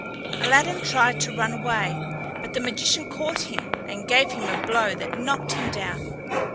Aladdin tried to run away, but the magician caught him and gave him a blow that knocked him down.